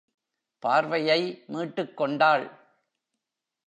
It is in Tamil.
பார்வையை மீட்டுக் கொண்டாள்.